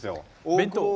弁当？